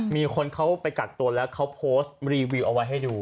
มีคนเขาไปกักตัวแล้วเขาโพสต์รีวิวเอาไว้ให้ดู